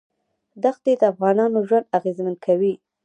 ښتې د افغانانو ژوند اغېزمن کوي.